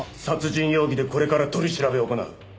殺人容疑でこれから取り調べを行う。